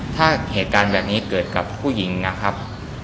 ถ้าเหตุการณ์แบบนี้เกิดกับผู้หญิงนะครับ